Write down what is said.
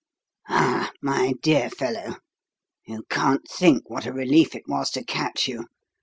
"Ah, my dear fellow, you can't think what a relief it was to catch you.